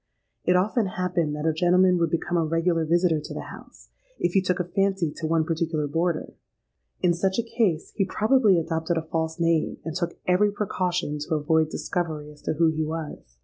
It often happened that a gentleman would become a regular visitor to the house, if he took a fancy to one particular boarder: in such a case he probably adopted a false name, and took every precaution to avoid discovery as to who he was.